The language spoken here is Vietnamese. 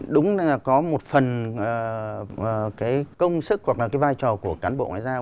đúng là có một phần công sức hoặc là vai trò của cán bộ ngoại giao